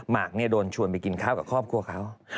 หกโดนชวนไปกินข้าวกับครอบครัวเขา